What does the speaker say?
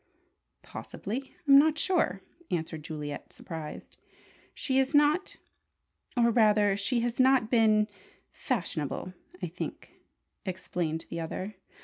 "Possibly. I'm not sure," answered Juliet, surprised. "She is not or rather she has not been fashionable, I think," explained the other.